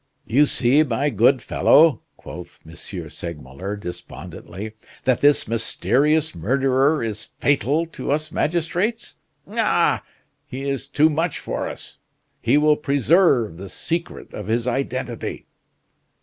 "You see, my good fellow," quoth M. Segmuller, despondently, "that this mysterious murderer is fatal to us magistrates. Ah! he is too much for us; he will preserve the secret of his identity."